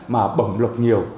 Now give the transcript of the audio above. bảo bổng lộc nhiều